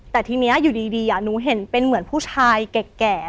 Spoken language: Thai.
แต่ทีนี้อยู่ดีหนูเห็นเป็นเหมือนผู้ชายแก่